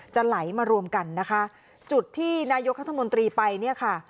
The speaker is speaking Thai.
ไหลมารวมกันนะคะจุดที่นายกรัฐมนตรีไปเนี่ยค่ะ